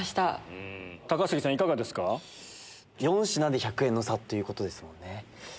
４品で１００円の差ということですもんね。